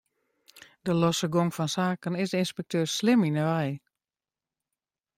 De losse gong fan saken is de ynspekteur slim yn 'e wei.